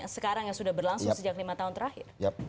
sekarang yang sudah berlangsung sejak lima tahun terakhir